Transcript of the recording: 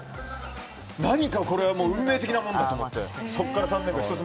何かこれは運命的なものだと思って。